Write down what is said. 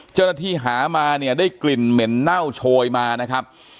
เจ้าหน้าที่หามาเนี่ยได้กลิ่นเหม็นเน่าโชยมานะครับ